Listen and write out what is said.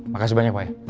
makasih banyak pak ya